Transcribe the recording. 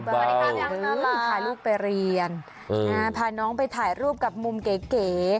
ถ่ายลูกไปเรียนพาน้องไปถ่ายรูปกับมุมเก๋